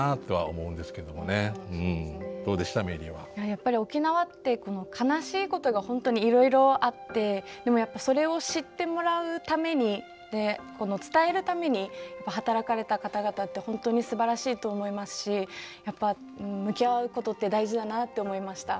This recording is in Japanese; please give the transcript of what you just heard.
やっぱり沖縄って悲しいことが本当にいろいろあってでもやっぱそれを知ってもらうために伝えるために働かれた方々って本当にすばらしいと思いますしやっぱ向き合うことって大事だなって思いました。